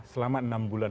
selama enam bulan